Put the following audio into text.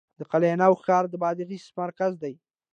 د قلعه نو ښار د بادغیس مرکز دی